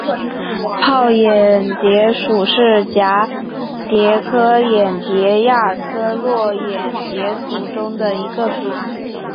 泡眼蝶属是蛱蝶科眼蝶亚科络眼蝶族中的一个属。